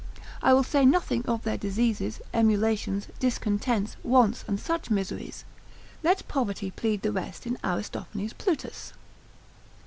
I will say nothing of their diseases, emulations, discontents, wants, and such miseries: let poverty plead the rest in Aristophanes' Plutus.